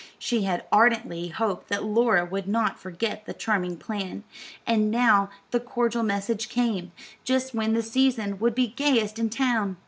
She had ardently hoped that Laura would not forget the charming plan, and now the cordial message came, just when the season would be gayest in town.